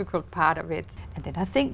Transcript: chúng tôi ăn nhiều thịt